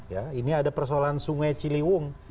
ya ini ada persoalan sungai ciliwung